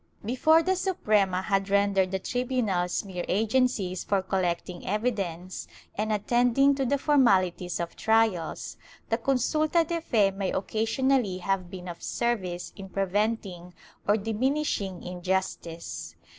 "^ Before the Suprema had rendered the tribunals mere agencies for collecting evidence and attending to the formalities of trials, the consulta de fe may occasionally have been of service in pre venting or diminishing injustice.